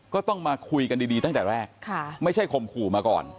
ก็ต้องมาคุยกันดีตั้งแต่แรกไม่ใช่ข่มขู่มาก่อน